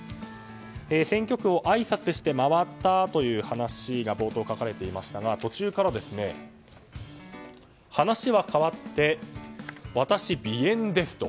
選挙区をあいさつして回ったという話が冒頭に書かれていましたが途中から話は変わって、私、鼻炎ですと。